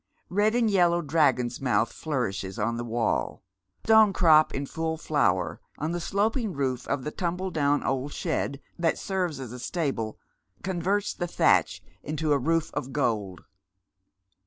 Red and yellow dragon's mouth flourishes on the wall. Stonecrop in full flower yonder on the sloping roof of the tumbledown old shed, that serves as a stable, converts the thatch into a roof of gold.